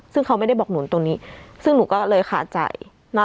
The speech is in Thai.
ซึ่งเขาไม่ได้บอกหนูตรงนี้ซึ่งหนูก็เลยขาใจ